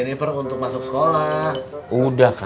nanti kita ke sana